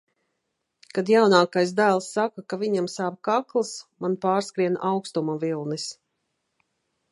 Kad jaunākais dēls saka, ka viņam sāp kakls, man pārskrien aukstuma vilnis.